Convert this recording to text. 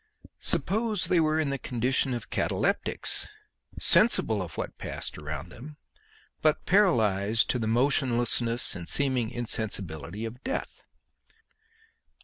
Suppose they were in the condition of cataleptics, sensible of what passed around them, but paralyzed to the motionlessness and seeming insensibility of death?